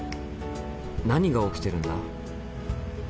何が起きてるんだ？